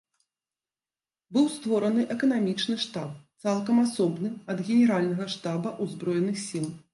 Быў створаны эканамічны штаб, цалкам асобны ад генеральнага штаба ўзброеных сіл.